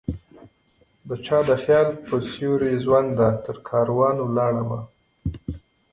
دچا د خیال په سیوری ژونده ؛ ترکاروان ولاړمه